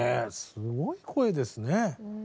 すごい声ですね。